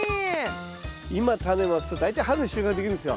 今タネまくと大体春に収穫できるんですよ。